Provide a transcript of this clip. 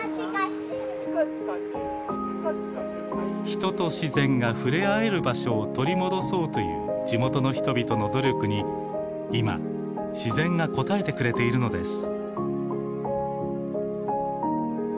人と自然が触れ合える場所を取り戻そうという地元の人々の努力に今自然が応えてくれているのです。